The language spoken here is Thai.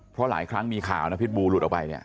เพราะหลายครั้งมีข่าวนะพิษบูหลุดออกไปเนี่ย